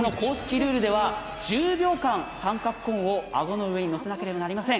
ルールでは１０秒間、三角コーンを顎の上に乗せなければなりません。